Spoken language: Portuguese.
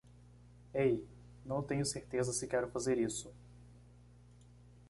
Ei? Não tenho certeza se quero fazer isso.